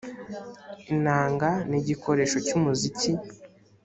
inanga nigikoresho cyumuziki.